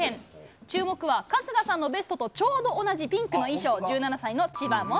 注目は春日さんのベストとちょうど同じ、ピンクの衣装、１７歳の千葉百音。